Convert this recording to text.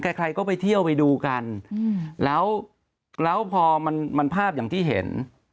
ใครใครก็ไปเที่ยวไปดูกันแล้วแล้วพอมันภาพอย่างที่เห็น